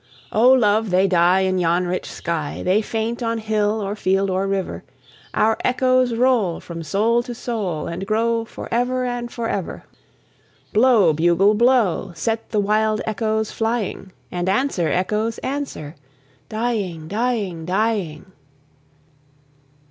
O love, they die in yon rich sky, They faint on hill or field or river: Our echoes roll from soul to soul, And grow forever and forever. Blow, bugle, blow, set the wild echoes flying, And answer, echoes, answer, dying, dying, dying.